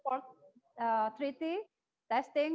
perubatan uji dan penyelesaian